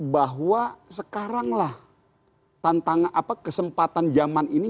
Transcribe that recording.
bahwa sekaranglah tantangan apa kesempatan zaman ini